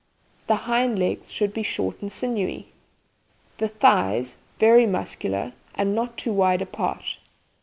The hind legs should be short and sinewy. The thighs very muscular and not too wide apart.